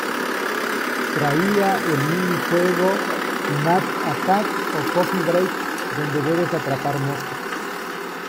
Traía el mini-juego "Gnat Attack" ó "Coffee Break" donde debes atrapar moscas.